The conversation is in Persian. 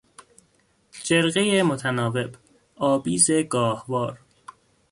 جرقهی متناوب، آبیز گاهوار